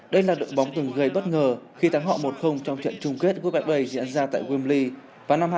đây là đội bóng từng gây bất ngờ khi thắng họ một trong trận chung kết của bạch bầy diễn ra tại wembley vào năm hai nghìn một mươi ba